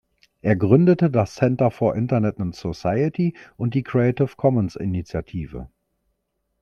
Er gründete das Center for Internet and Society und die Creative-Commons-Initiative.